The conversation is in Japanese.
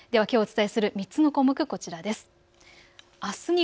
きょうお伝えする３つの項目、こちらです。